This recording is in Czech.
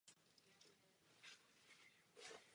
Nyní slouží jako hotel.